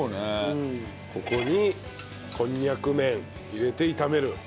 ここにこんにゃく麺入れて炒める。